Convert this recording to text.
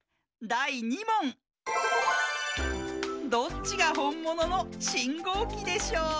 どっちがほんもののしんごうきでしょう？